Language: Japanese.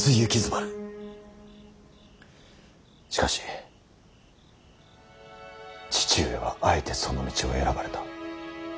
しかし父上はあえてその道を選ばれた。